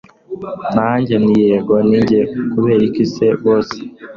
nanjye nti yego ninjye kuberiki se boss!